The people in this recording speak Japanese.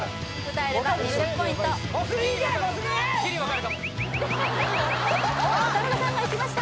歌えれば２０ポイント渡辺さんがいきました